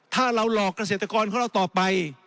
ถ้าเราหลอกเกษตรกรของเราต่อไป